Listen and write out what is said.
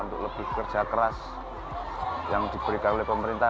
untuk lebih kerja keras yang diberikan oleh pemerintah